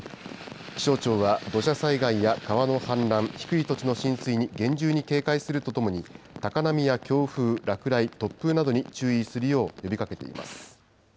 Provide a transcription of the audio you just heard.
気象庁は土砂災害や川の氾濫、低い土地の浸水に厳重に警戒するとともに、高波や強風、落雷、突風などに注意するよう呼びかけています。